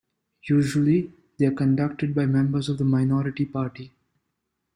Usually, they are conducted by members of the minority party.